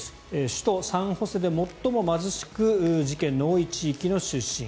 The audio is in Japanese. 首都サンホセで最も貧しく事件の多い地域の出身。